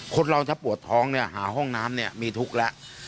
คนเราถ้าปวดท้องเนี่ยหาห้องน้ำเนี่ยมีทุกข์แล้ว